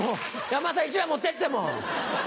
山田さん１枚持ってってもう。